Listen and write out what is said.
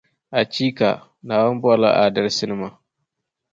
Achiika! Naawuni bɔrila aadalsinima.